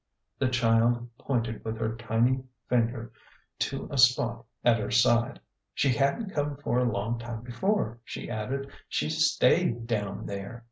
The child pointed with her tiny finger to a spot at her side. " She hadn't come for a long time before," she added. " She's stayed down there."